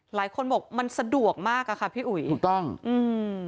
หลายคนบอกมันสะดวกมากอ่ะค่ะพี่อุ๋ยถูกต้องอืม